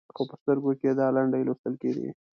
خو په سترګو کې یې دا لنډۍ لوستل کېدې.